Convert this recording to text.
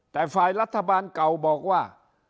แต่ฝ่ายรัฐบาลเก่าบอกว่า